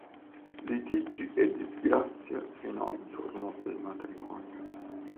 Litigi e disgrazie fino al giorno del matrimonio.